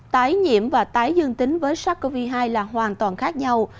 tái nhiễm và tái dương tính với sars cov hai là hoàn toàn khác nhau